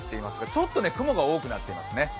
ちょっと雲が多くなっていますね。